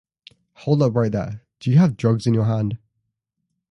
Hold up right there, do you have drugs in your hand?